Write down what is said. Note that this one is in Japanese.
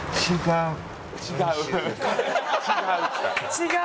「違う！」！